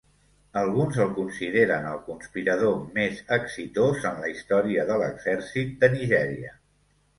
Alguns el consideren el conspirador més exitós en la història de l'exèrcit de Nigèria.